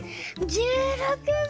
１６秒。